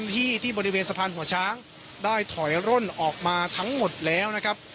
ที่ที่บริเวณสะพานหัวช้างได้ถอยร่นออกมาทั้งหมดแล้วนะครับ